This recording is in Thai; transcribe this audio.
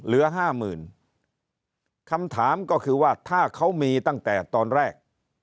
เหลือห้าหมื่นคำถามก็คือว่าถ้าเขามีตั้งแต่ตอนแรก